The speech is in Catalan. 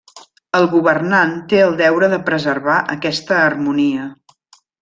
El governant té el deure de preservar aquesta harmonia.